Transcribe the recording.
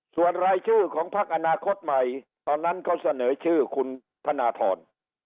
ส่วนรายชื่อของพักอนาคตใหม่ตอนนั้นเขาเสนอชื่อคุณธนทร